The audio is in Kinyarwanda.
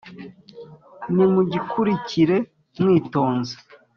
Nimugikurikire mwitonze